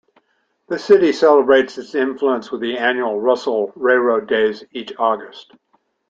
The city celebrates this influence with the annual "Russell Railroad Days" each August.